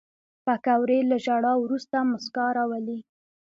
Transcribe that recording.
پکورې له ژړا وروسته موسکا راولي